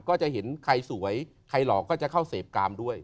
ก็จะเห็นใครสวยใครหลอกก็จะเข้าเสพกามด้วย